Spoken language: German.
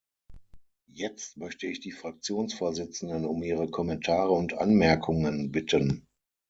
Jetzt möchte ich die Fraktionsvorsitzenden um ihre Kommentare und Anmerkungen bitten.